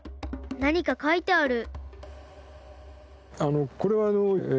何か書いてある。